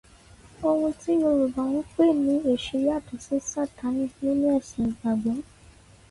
Ohun tí Yorùbá ń pè ní Èṣù yàtọ̀ sí Sàtánì nínú ẹ̀sìn ìgbàgbọ́.